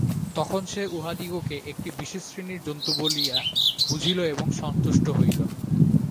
তখন সে উহাদিগকে একটি বিশেষ শ্রেণীর জন্তু বলিয়া বুঝিল এবং সন্তুষ্ট হইল।